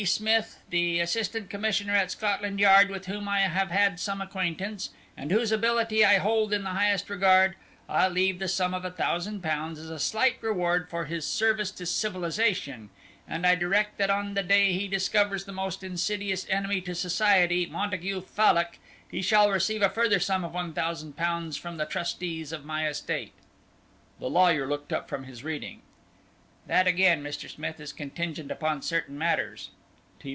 Smith, the assistant commissioner at Scotland Yard with whom I have had some acquaintance, and whose ability I hold in the highest regard, I leave the sum of a thousand pounds as a slight reward for his service to civilization, and I direct that on the day he discovers the most insidious enemy to society, Montague Fallock, he shall receive a further sum of one thousand pounds from the trustees of my estate.'" The lawyer looked up from his reading. "That again, Mr. Smith, is contingent upon certain matters."